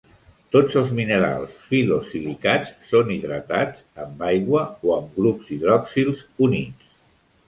Tots els minerals fil·losilicats són hidratats, amb aigua o amb grups hidroxils units.